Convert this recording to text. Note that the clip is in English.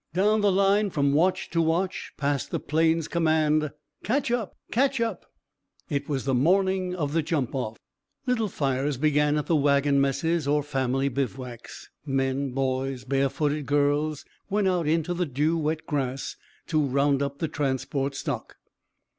Down the line from watch to watch passed the Plains command, "Catch up! Catch up!" It was morning of the jump off. Little fires began at the wagon messes or family bivouacs. Men, boys, barefooted girls went out into the dew wet grass to round up the transport stock.